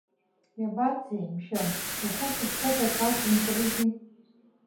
Иабацеи, мшәан, рхәы шыԥхоу какалк рымкрызи.